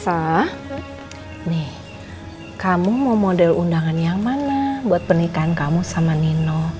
sah nih kamu mau model undangan yang mana buat pernikahan kamu sama nino